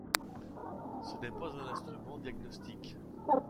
Ce n’est pas un instrument diagnostique.